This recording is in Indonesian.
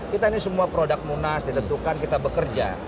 kita ini semua produk munas ditentukan kita bekerja